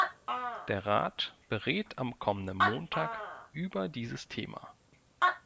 Der Rat berät am kommenden Montag über dieses Thema.